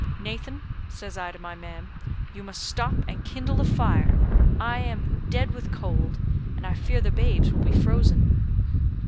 'Nathan,' says I to my man, 'you must stop and kindle a fire; I am dead with cold, and I fear the babes will be frozen.'